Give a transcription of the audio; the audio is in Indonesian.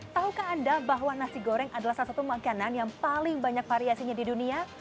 tahukah anda bahwa nasi goreng adalah salah satu makanan yang paling banyak variasinya di dunia